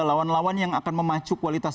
lawan lawan yang akan memacu kualitas